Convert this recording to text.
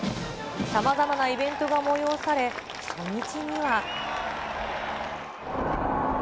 さまざまなイベントが催され、初日には。